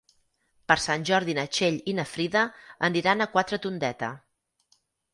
Per Sant Jordi na Txell i na Frida aniran a Quatretondeta.